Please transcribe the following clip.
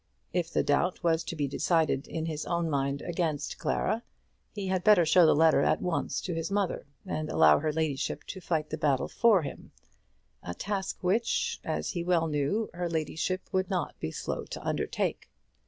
If the doubt was to be decided in his own mind against Clara, he had better show the letter at once to his mother, and allow her ladyship to fight the battle for him; a task which, as he well knew, her ladyship would not be slow to undertake.